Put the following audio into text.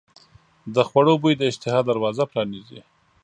د خوړو بوی د اشتها دروازه پرانیزي.